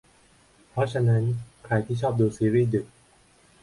เพราะฉะนั้นใครที่ชอบดูซีรีส์ดึก